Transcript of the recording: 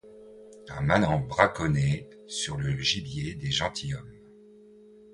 Un manant braconner sur le gibier des gentilshommes!